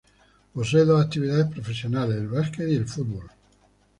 Posee dos actividades profesionales, el básquet y el fútbol.